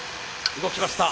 動きました